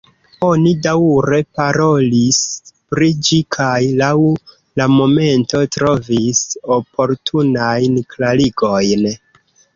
Oni daŭre parolis pri ĝi kaj laŭ la momento trovis oportunajn klarigojn.